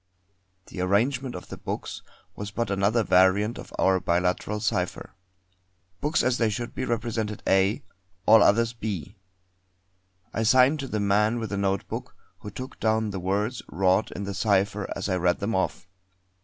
The arrangement of the books was but another variant of our biliteral cipher. Books as they should be, represented A; all others B. I signed to the man with the notebook, who took down the words wrought in the cipher as I read them off.